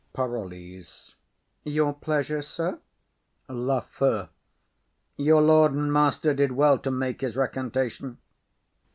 PAROLLES. Your pleasure, sir. LAFEW. Your lord and master did well to make his recantation.